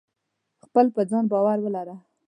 خپل په ځان باور ولره !